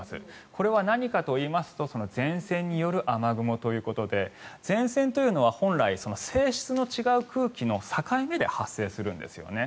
これは何かと言いますと前線による雨雲ということで前線というのは本来、性質の違う空気の境目で発生するんですよね。